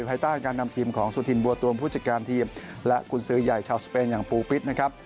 ภายใต้การนำทีมของสุธินบัวตวงผู้จัดการทีมและกุญสือใหญ่ชาวสเปนอย่างปูปิศนะครับ